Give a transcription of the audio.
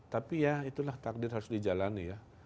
tapi ya itulah takdir harus dijalani ya